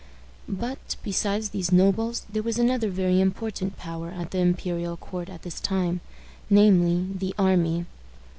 But, besides these nobles, there was another very important power at the imperial court at this time, namely, the army.